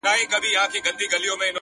• د اکټوبر پر اوومه نېټه ,